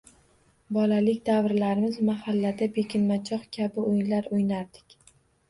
Bolalik davrlarimiz mahallada berkinmachoq kabi oʻyinlar oʻynardik.